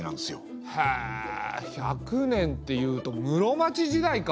へえ１００年っていうと室町時代か。